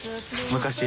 昔？